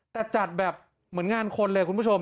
แต่จัดแบบเหมือนงานคนเลยคุณผู้ชม